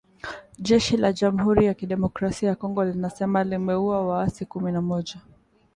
Jeshi la Jamhuri ya Kidemokrasia ya Kongo linasema limeua waasi kumi na moja .